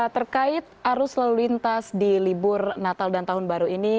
terkait arus lalu lintas di libur natal dan tahun baru ini